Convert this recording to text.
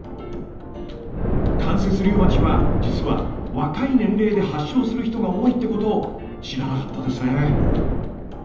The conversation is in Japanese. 関節リウマチは実は若い年齢で発症する人が多いってことを知らなかったですね。